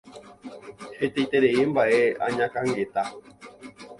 Hetaiterei mba'e añakãngeta